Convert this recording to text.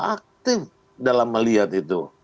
aktif dalam melihat itu